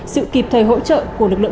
sự kịp thời hỗ trợ của lực lượng